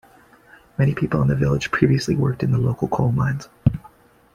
Many people in the village previously worked in the local coal mines.